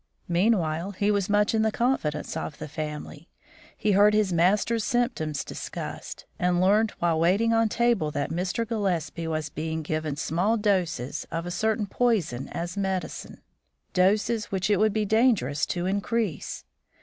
Meanwhile, he was much in the confidence of the family. He heard his master's symptoms discussed, and learned while waiting on table that Mr. Gillespie was being given small doses of a certain poison as medicine; doses which it would be dangerous to increase.